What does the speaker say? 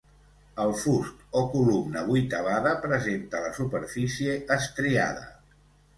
El fust o columna vuitavada presenta la superfície estriada.